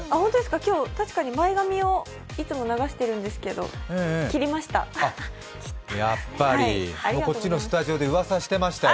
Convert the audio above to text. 今日確かに、いつも前髪を流してるんですけど切りました。